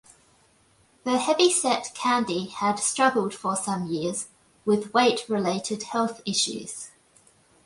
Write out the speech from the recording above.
The heavyset Candy had struggled for some years with weight-related health issues.